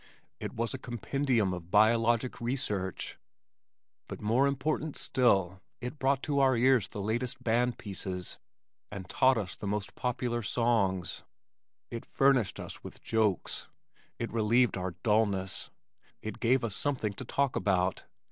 It was a compendium of biologic research but more important still, it brought to our ears the latest band pieces and taught us the most popular songs. It furnished us with jokes. It relieved our dullness. It gave us something to talk about.